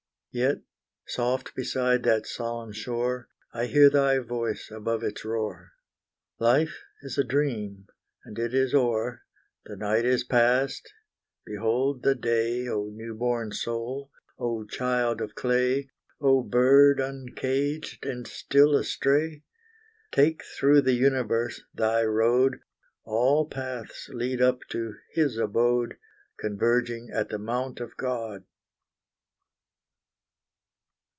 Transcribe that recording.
Yet, soft beside that solemn shore, I hear thy voice above its roar: "Life is a dream and it is o'er; "The night is past behold the day, O new born soul O child of clay, O bird uncaged and still astray; "Take through the universe thy road; All paths lead up to His abode, Converging at the Mount of God!"